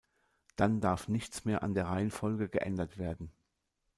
Dann darf nichts mehr an der Reihenfolge geändert werden.